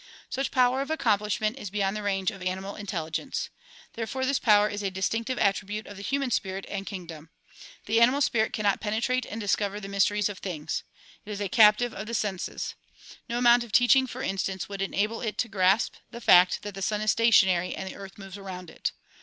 Such power of accomplishment is beyond the range of animal intelligence. Therefore this power is a distinctive attribute of the human spirit and kingdom. The animal spirit cannot penetrate and discover the mysteries of things. It is a captive of the senses. No amount of teaching, for instance, would enable it to grasp the fact that the sun is stationary and the earth moves around it.